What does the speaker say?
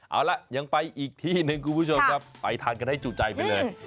เอาล่ะยังไปอีกที่หนึ่งคุณผู้ชมครับไปทานกันให้จู่ใจไปเลย